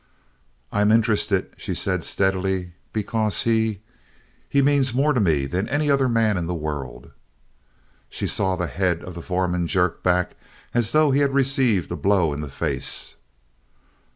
"I'm interested," she said steadily, "because he he means more to me than any other man in the world." She saw the head of the foreman jerk back as though he had received a blow in the face.